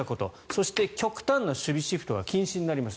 そして、極端な守備シフトが禁止になりました。